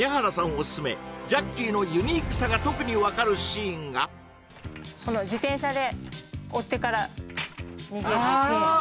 オススメジャッキーのユニークさが特に分かるシーンがこの自転車で追っ手から逃げるシーン